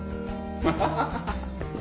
ハハハハ。